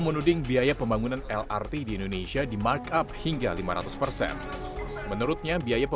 jadi saya bertanya kepada saudara saudara markup penggelumbungannya berapa